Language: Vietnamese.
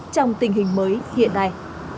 trong tình hình mới hiện nay